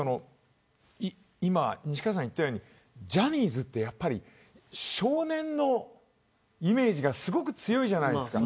西川さんが言ったようにジャニーズは少年のイメージがすごく強いじゃないですか。